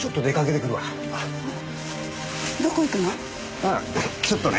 あちょっとね。